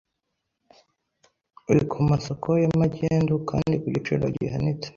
uri ku masoko ya magendu kandi ku giciro gihanitse.